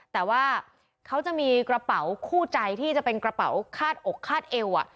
แต่ว่าเขาจะมีกระเป๋าคู่ใจที่จะเป็นกระเป๋าคาดอกคาดเอว